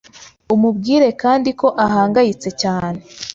umubwire kandi ko ahangayitse cyane,